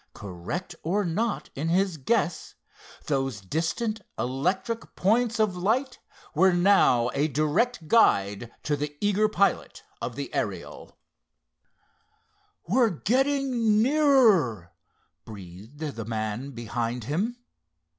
Correct or not in his guess, those distant electric points of light were now a direct guide to the eager pilot of the Ariel. "We're getting nearer," breathed the man behind him.